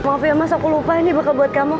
maaf ya mas aku lupa ini bakal buat kamu